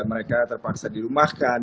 mereka terpaksa dirumahkan